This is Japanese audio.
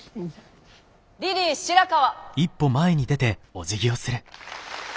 リリー白川。